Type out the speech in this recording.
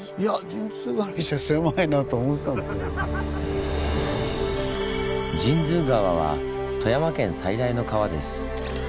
神通川は富山県最大の川です。